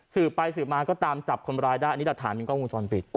สืบไปสืบมาก็ตามจับคนร้ายได้อันนี้หลักฐานเป็นกล้องวงจรปิด